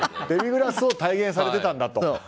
デミグラスを体現されてたんだと。